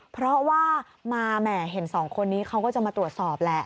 เพราะว่ามาแหม่เห็นสองคนนี้เขาก็จะมาตรวจสอบแหละ